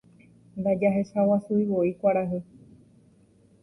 Ndajahechaguasúivoi kuarahy.